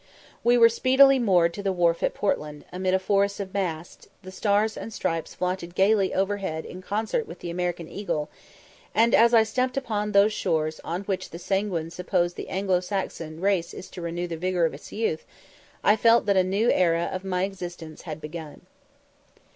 We were speedily moored to the wharf at Portland, amid a forest of masts; the stars and stripes flaunted gaily overhead in concert with the American eagle; and as I stepped upon those shores on which the sanguine suppose that the Anglo Saxon race is to renew the vigour of its youth, I felt that a new era of my existence had begun.